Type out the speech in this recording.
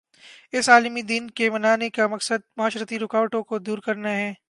اس عالمی دن کے منانے کا مقصد معاشرتی رکاوٹوں کو دور کرنا ہے